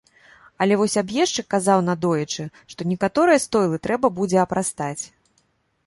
Але вось аб'ездчык казаў надоечы, што некаторыя стойлы трэба будзе апрастаць.